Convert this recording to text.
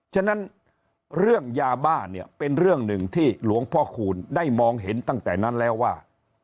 ฉะนั้นเรื่องยาบ้าเนี่ยเป็นเรื่องหนึ่งที่หลวงพ่อคูณได้มองเห็นตั้งแต่นั้นแล้วว่า